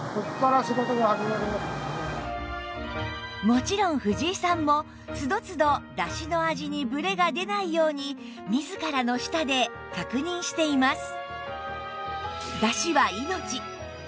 もちろん藤井さんも都度都度だしの味にブレが出ないように自らの舌で確認しています